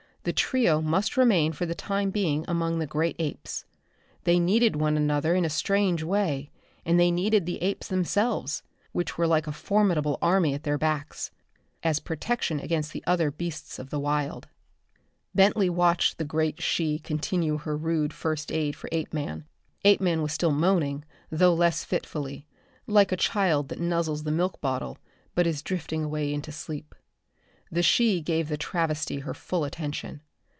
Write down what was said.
The trio must remain for the time being among the great apes. They needed one another in a strange way, and they needed the apes themselves, which were like a formidable army at their backs, as protection against the other beasts of the wilds. Bentley watched the great she continue her rude first aid for Apeman. Apeman was still moaning, though less fitfully, like a child that nuzzles the milk bottle, but is drifting away into sleep. The she gave the travesty her full attention.